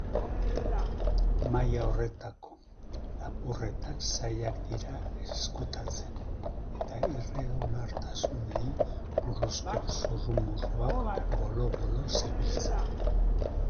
Maila horretako lapurretak zailak dira ezkutatzen, eta irregulartasunei buruzko zurrumurruak bolo-bolo zebiltzan.